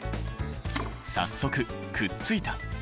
早速くっついた。